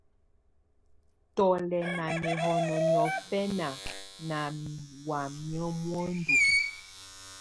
Tù lɛ̀ nà nɛhɔnɔ niɔ̀fɛna nà wamɛ̀á muǝndu.